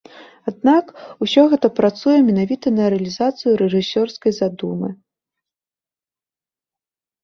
Аднак, усё гэта працуе менавіта на рэалізацыю рэжысёрскай задумы.